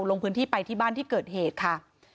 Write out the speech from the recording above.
ลงพื้นที่ไปที่บ้านที่เกิดเหตุค่ะ